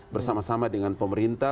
bersama sama dengan pemerintah